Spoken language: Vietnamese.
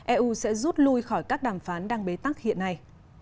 eu sẽ rút lui khỏi các đàm phán đang bế tắc hiện nay